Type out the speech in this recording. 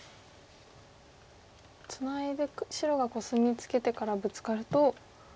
ツナいで白がコスミツケてからブツカると。